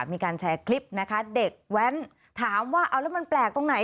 มีการแชร์คลิปนะคะเด็กแว้นถามว่าเอาแล้วมันแปลกตรงไหน